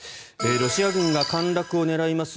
ロシア軍が陥落を狙います